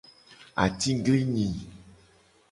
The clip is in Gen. Atiglinyi.